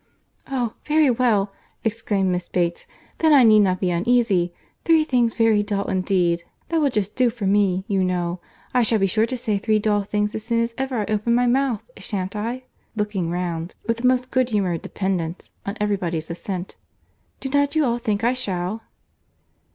"Oh! very well," exclaimed Miss Bates, "then I need not be uneasy. 'Three things very dull indeed.' That will just do for me, you know. I shall be sure to say three dull things as soon as ever I open my mouth, shan't I? (looking round with the most good humoured dependence on every body's assent)—Do not you all think I shall?"